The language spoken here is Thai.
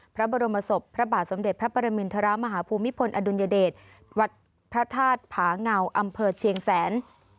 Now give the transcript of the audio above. พระบรมศพพระบาทสมเด็จพระปรมินทรมาฮภูมิพลอดุลยเดชวัดพระธาตุผาเงาอำเภอเชียงแสน